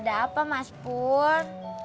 ada apa mas pur